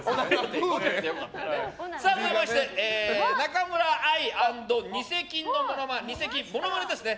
続きまして、中村愛＆ニセキンものまねですね。